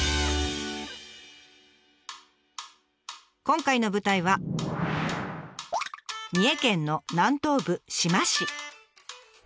今回の舞台は三重県の南東部志摩市。